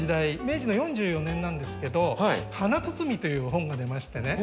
明治の４４年なんですけど「はなつつみ」という本が出ましてね。